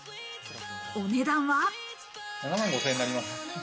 お値段は。